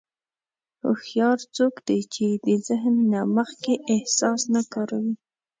هوښیار څوک دی چې د ذهن نه مخکې احساس نه کاروي.